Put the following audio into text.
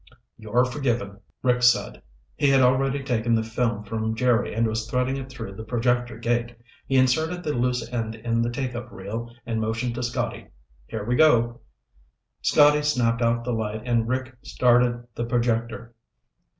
"You're forgiven," Rick said. He had already taken the film from Jerry and was threading it through the projector gate. He inserted the loose end in the take up reel and motioned to Scotty. "Here we go." Scotty snapped out the light and Rick started the projector.